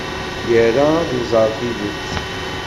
Ira ad iẓer tidet.